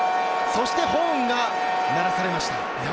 そしてホーンが鳴らされました。